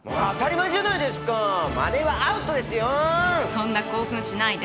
そんな興奮しないで。